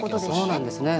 そうなんですね。